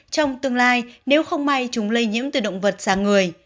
trong tương lai nếu không may chúng lây nhiễm từ động vật sang người